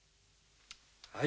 はい。